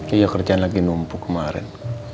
iya kerjaan lagi numpuk kemarin